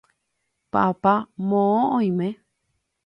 papá moõ oime